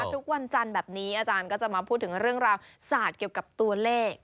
ทุกวันจันทร์แบบนี้อาจารย์ก็จะมาพูดถึงเรื่องราวศาสตร์เกี่ยวกับตัวเลข